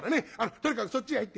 とにかくそっちへ入って。